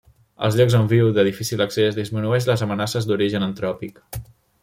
Els llocs on viu, de difícil accés, disminueix les amenaces d'origen antròpic.